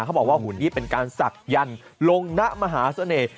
ที่ผลงุนนี่เป็นการศักรยันทร์ลงณมหาเสน่ห์